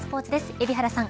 海老原さん